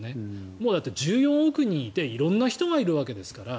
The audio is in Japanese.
もう、だって１４億人いて色んな人がいるわけですから。